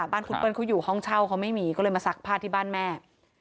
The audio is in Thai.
บ้านคุณเปิ้ลเขาอยู่ห้องเช่าเขาไม่มีก็เลยมาซักผ้าที่บ้านแม่